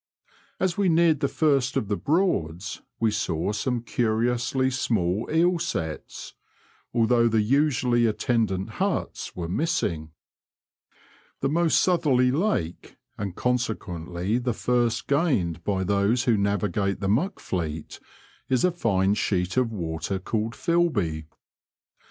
As we neared the first of the Broads, we saw some curiously small eel sets, although the usually attendant huts were missing y Google 188 BBOADS AND SIVSBS OF NOBFOLK AMD SUFFOLK. The most southerly lake, and ccmsequeutly the first gained by those who navigate the Muck Fleet, is a fine sheet of water called Filby.